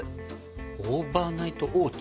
オーバーナイトオーツ？